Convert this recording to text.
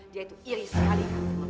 dia itu iri sekali